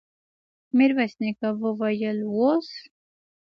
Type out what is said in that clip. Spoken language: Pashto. ميرويس نيکه وويل: اوس!